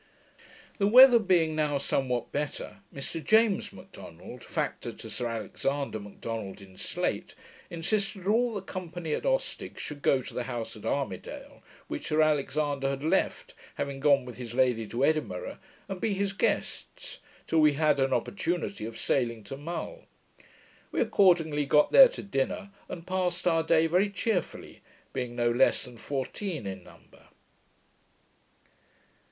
The weather being now somewhat better, Mr James M'Donald, factor to Sir Alexander M'Donald in Slate, insisted that all the company at Ostig should go to the house at Armidale, which Sir Alexander had left having gone with his lady to Edinburgh, and be his guests, till we had an opportunity of sailing to Mull. We accordingly got there to dinner; and passed our day very cheerfully, being no less than fourteen in number.